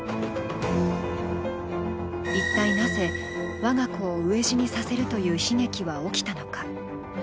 一体なぜ我が子を飢え死にさせるという悲劇は起きたのか。